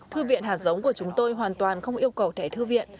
thư viện hạt sống của chúng tôi hoàn toàn không yêu cầu thể thư viện